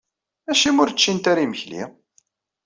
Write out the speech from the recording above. Acimi ur ččint ara imekli?